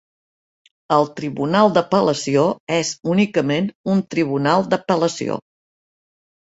El Tribunal d'Apel·lació és únicament un tribunal d'apel·lació.